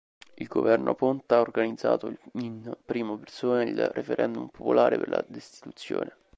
Il Governo Ponta ha organizzato in prima persona il referendum popolare per la destituzione.